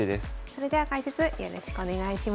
それでは解説よろしくお願いします。